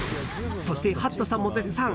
そして、ハットさんも絶賛。